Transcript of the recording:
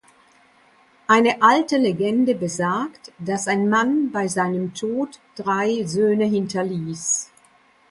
Eine alte Legende besagt, dass ein Mann bei seinem Tod drei Söhne hinterließ.